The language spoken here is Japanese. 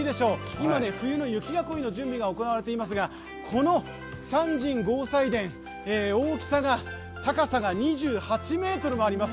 今、冬の雪囲いの準備が行われていますがこの三神合祭殿、高さが２８ｍもあります。